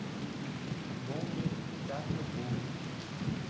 Bom verificar seu corpo